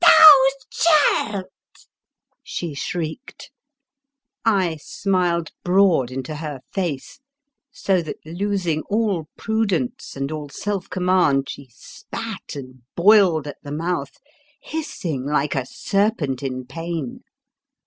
"Thou shalt!" she shrieked. I smiled broad into her face, so that, los ing all prudence and all self command, she spat and boiled at the mouth, hiss ing like a serpent in pain.